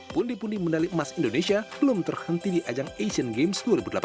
pundi pundi medali emas indonesia belum terhenti di ajang asian games dua ribu delapan belas